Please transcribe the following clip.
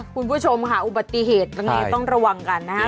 คุณผู้ชมค่ะอุบัติเหตุตรงนี้ต้องระวังกันนะฮะ